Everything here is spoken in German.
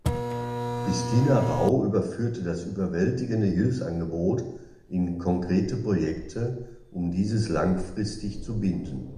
Christina Rau überführte das überwältigende Hilfsangebot in konkrete Projekte, um dieses langfristig zu binden.